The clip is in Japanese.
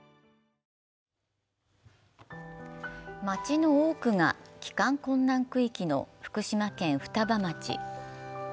町の多くが帰還困難区域の福島県双葉町。